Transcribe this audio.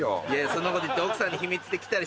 そんなこと言って奥さんに秘密で来てたり？